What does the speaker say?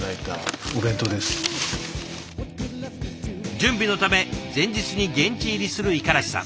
準備のため前日に現地入りする五十嵐さん。